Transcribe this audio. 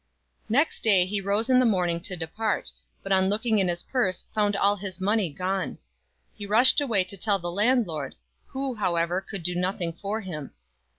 Next day he rose in the morning to depart, but on looking in his purse found all his money gone. He rushed away to tell the landlord, who, however, could do nothing for him.